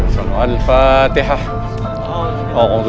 sabar pak broto